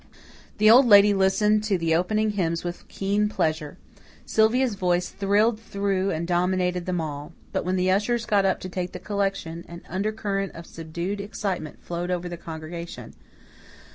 The Old Lady listened to the opening hymns with keen pleasure. Sylvia's voice thrilled through and dominated them all. But when the ushers got up to take the collection, an undercurrent of subdued excitement flowed over the congregation.